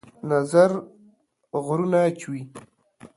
نظر غرونه چوي